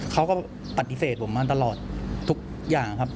เขาก็ปฏิเสธผมมาตลอดทุกอย่างครับ